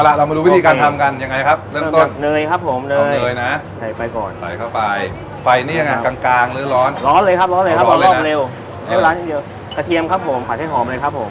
กระเทียมครับผมผัดให้หอมเลยครับผม